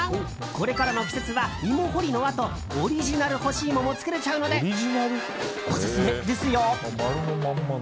これからの季節は芋掘りのあとオリジナル干し芋も作れちゃうのでオススメですよ。